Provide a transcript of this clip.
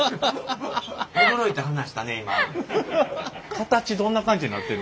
形どんな感じになってる？